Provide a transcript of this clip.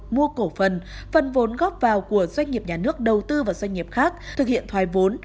mua cổ phần phần vốn góp vào của doanh nghiệp nhà nước đầu tư vào doanh nghiệp khác thực hiện thoái vốn